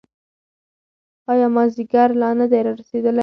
ایا مازیګر لا نه دی رارسېدلی؟